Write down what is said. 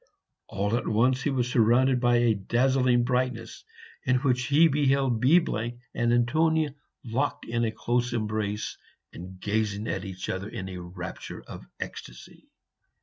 All at once he was surrounded by a dazzling brightness, in which he beheld B and Antonia locked in a close embrace, and gazing at each other in a rapture of ecstasy.